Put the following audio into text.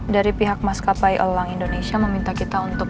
dari pihak maskapai elang indonesia meminta kita untuk